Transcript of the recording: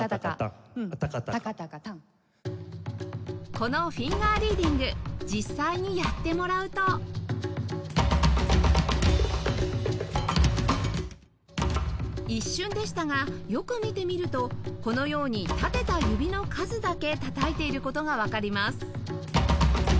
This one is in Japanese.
このフィンガー・リーディング一瞬でしたがよく見てみるとこのように立てた指の数だけたたいている事がわかります